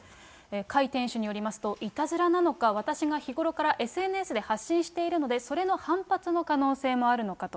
甲斐店主によりますと、いたずらなのか、私が日頃からＳＮＳで発信しているので、それの反発の可能性もあるのかと。